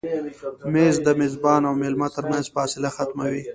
مېز د میزبان او مېلمه تر منځ فاصله ختموي.